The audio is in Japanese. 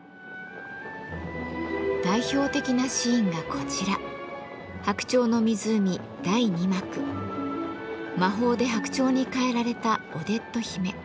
代表的なシーンがこちら魔法で白鳥に変えられたオデット姫。